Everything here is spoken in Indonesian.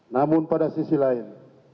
namun pada sisi lain